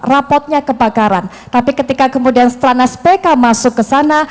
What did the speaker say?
rapotnya kebakaran tapi ketika kemudian strana spk masuk ke sana